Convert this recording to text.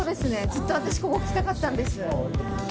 ずっと私ここ来たかったんです。